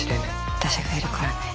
私がいるからね。